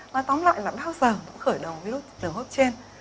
nói tóm lại là bao giờ nó khởi đồng hốp trên